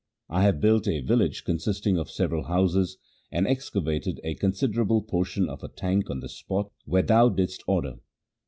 ' I have built a village consisting of several houses, and excavated a considerable portion of a tank on the spot where thou didst order.'